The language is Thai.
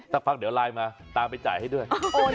สักพักเดี๋ยวไลน์มาตามไปจ่ายให้ด้วย